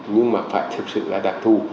nhưng mà phải thực sự là đặc thù